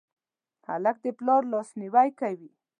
هلک د پلار لاسنیوی کوي.